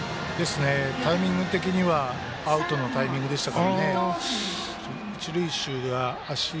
タイミング的にはアウトのタイミングでしたが。